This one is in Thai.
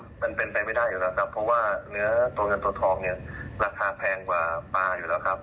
เพราะว่าเนื้อตัวเงินตัวทองเนี่ยราคาแพงกว่าปลาอยู่แล้วครับ